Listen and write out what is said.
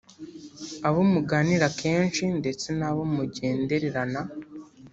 abo muganira kenshi ndetse n'abo mujyendererana